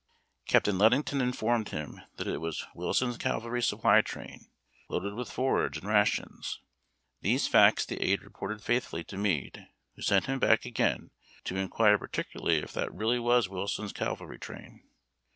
Captain Ludington informed him that it was Wilson's cav alry supply train, loaded with forage and rations. These facts the aid reported faithfully to Meade, who sent him back again to inquire particular!}' if that reall}' was Wilson's cav alry train.